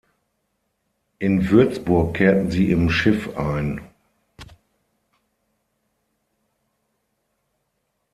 In Würzburg kehrten sie im "Schiff" ein.